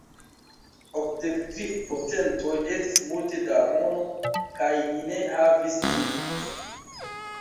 Okdek tri procentoj estis multe da mono, kaj ni ne havis ĝin.